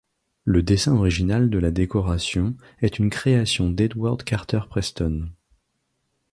Le dessin original de la décoration est une création d'Edward Carter Preston.